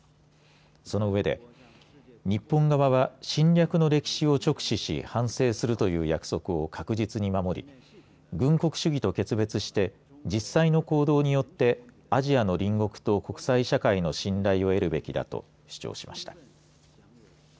その上で日本側は侵略の歴史を直視し反省するという約束を確実に守り軍国主義と決別して実際の行動によってアジアの隣国と国際社会の信頼を得るべきだと主張しました。